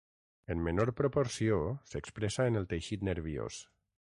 En menor proporció s'expressa en el teixit nerviós.